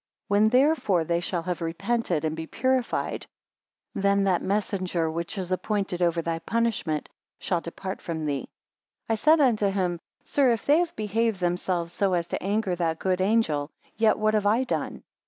6 When therefore they shall have repented, and be purified, then that messenger which is appointed over thy punishment, shall depart from thee. 7 I said unto him; Sir, if they have behaved themselves so as to anger that good angel, yet what have I done?